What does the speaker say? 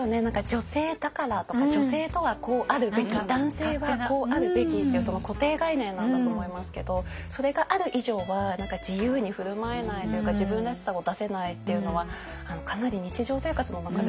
女性だからとか女性とはこうあるべき男性はこうあるべきっていう固定概念なんだと思いますけどそれがある以上は自由に振る舞えないというか自分らしさを出せないっていうのはかなり日常生活の中でもありますよね。